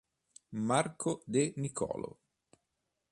Marco De Nicolo